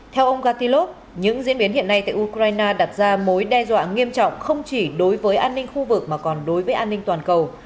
theo ông gatilov những diễn biến hiện nay tại ukraine đặt ra mối đe dọa nghiêm trọng không chỉ đối với an ninh khu vực mà còn đối với an ninh toàn cầu